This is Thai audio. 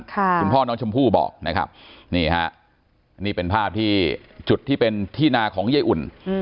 คุณพ่อน้องชมพู่บอกนะครับนี่ฮะนี่เป็นภาพที่จุดที่เป็นที่นาของเย้อุ่น